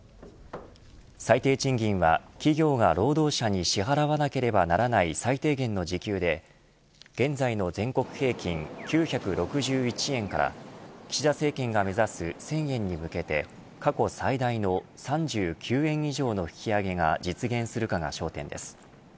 最低賃金は、企業が労働者に支払わなければならない最低限の時給で現在の全国平均９６１円から岸田政権が目指す１０００円に向けて過去最大の３９円以上の引き上げが実現するかが焦点です。